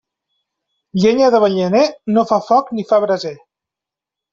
Llenya d'avellaner, no fa foc ni fa braser.